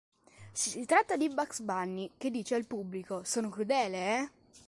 Si tratta di Bugs Bunny, che dice al pubblico: "Sono crudele, eh?".